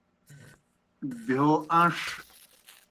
بہیو اَن٘ݜ۔